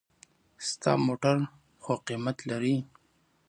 ستا موټر خو قېمت لري.